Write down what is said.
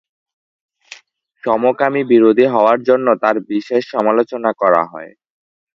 সমকামী বিরোধী হওয়ার জন্য তার বিশেষ সমালোচনা করা হয়।